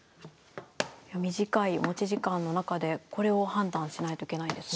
短い持ち時間の中でこれを判断しないといけないんですね。